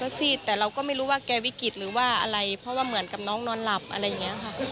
ขนาดเราไปเห็นแวบเดียวเรายังอยากเอาไปโรงพยาบาลอย่างเนี่ยค่ะ